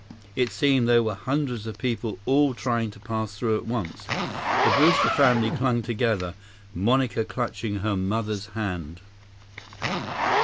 It seemed there were hundreds of people all trying to pass through at once. The Brewster family clung together, Monica clutching her mother's hand.